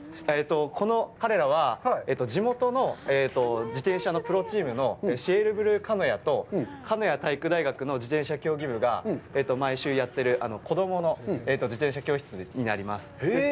この彼らは、地元の自転車のプロチームのシェールブルー鹿屋と鹿屋体育大学の自転車競技部が毎週やってる子供の自転車教室になります。